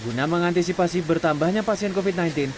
guna mengantisipasi bertambahnya pasien covid sembilan belas